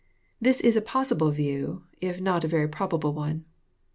This is a possible view, if not a very probable one.